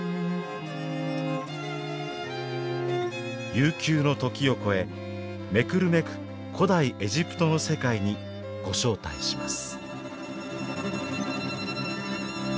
悠久の時を超えめくるめく古代エジプトの世界にご招待します。